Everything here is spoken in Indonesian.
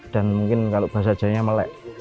dan mungkin kalau bahasa jahitnya melek